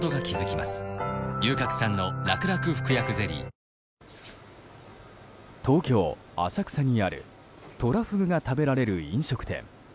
東京海上日動東京・浅草にあるトラフグが食べられる飲食店。